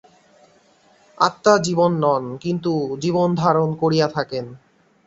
আত্মা জীবন নন, কিন্তু জীবনধারণ করিয়া থাকেন।